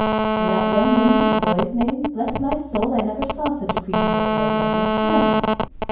And that young woman, with the boy's name, bless my soul, I never saw such a creature before, Daniel, never!